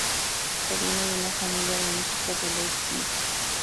Proviene de una familia de músicos de Leipzig.